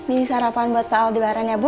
ini sarapan buat pak aldebaran ya bu